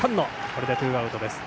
これでツーアウトです。